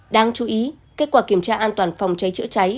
đáng chú ý kết quả kiểm tra an toàn phòng cháy chữa cháy